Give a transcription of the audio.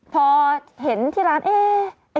พอเห็นที่ร้านเอ๊ะ